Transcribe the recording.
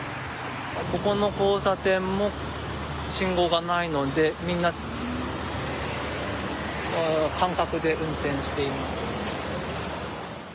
ここの交差点も信号がないのでみんな感覚で運転しています。